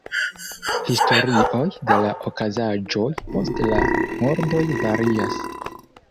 Historioj de la okazaĵoj post la murdoj varias.